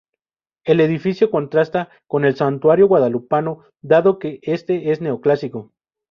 El edificio contrasta con el Santuario Guadalupano, dado que este es neoclásico.